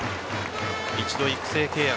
一度、育成契約。